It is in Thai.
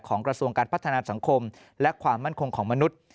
กระทรวงการพัฒนาสังคมและความมั่นคงของมนุษย์